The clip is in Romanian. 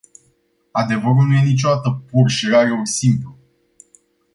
Adevărul nu e niciodată pur și rareori simplu.